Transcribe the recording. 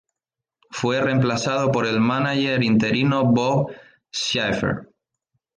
Fue reemplazado por el mánager interino "Bob Schaefer".